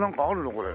これ。